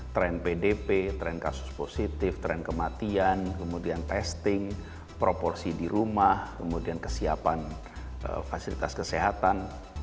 trend pdp tren kasus positif tren kematian kemudian testing proporsi di rumah kemudian kesiapan fasilitas kesehatan